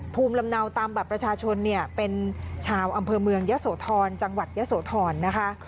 ภูมิลำเนาตามบัตรประชาชนเนี่ยเป็นชาวอำเภอเมืองยะโสธรจังหวัดยะโสธรนะคะ